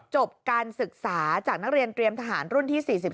จบการศึกษาจากนักเรียนเตรียมทหารรุ่นที่๔๔